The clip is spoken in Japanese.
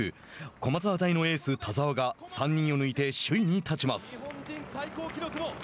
駒沢大のエース田澤が３人を抜いて首位に立ちます。